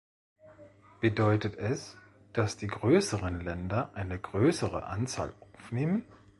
Bedeutet es, dass die größeren Länder eine größere Anzahl aufnehmen?